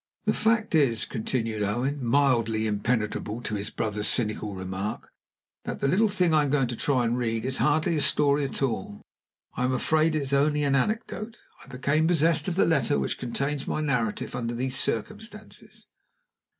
"The fact is," continued Owen, mildly impenetrable to his brother's cynical remark, "that the little thing I am going to try and read is hardly a story at all. I am afraid it is only an anecdote. I became possessed of the letter which contains my narrative under these circumstances.